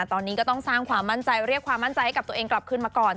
ตอนนี้ก็ต้องสร้างความมั่นใจเรียกความมั่นใจให้กับตัวเองกลับขึ้นมาก่อน